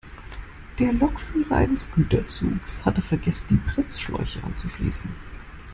Der Lokführer eines Güterzuges hatte vergessen, die Bremsschläuche anzuschließen.